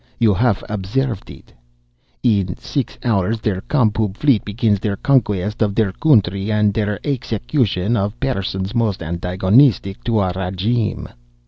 You haff observed it. In six hours der Com Pub fleet begins der conquest of der country and der execution of persons most antagonistic to our regime.